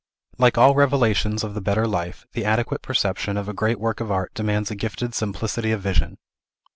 Like all revelations of the better life, the adequate perception of a great work of art demands a gifted simplicity of vision.